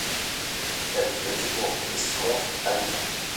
La ville de Dunmore East compte habitants.